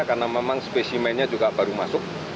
karena memang spesimennya juga baru masuk